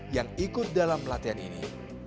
yang ikut dalam latihan ini